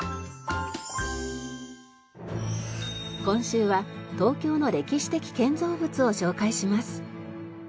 今週は東京の歴史的建造物を紹介します。